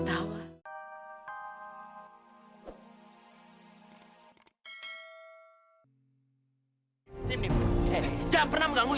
sama sekali belum berakhir